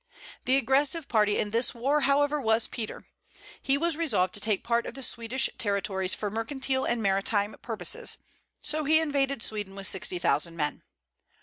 The aggressive party in this war, however, was Peter. He was resolved to take part of the Swedish territories for mercantile and maritime purposes; so he invaded Sweden with sixty thousand men.